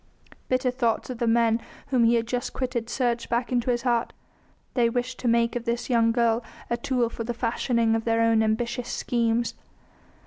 Bitter thoughts of the men whom he had just quitted surged back in his heart; they wished to make of this young girl a tool for the fashioning of their own ambitious schemes.